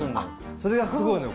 それがすごいのよ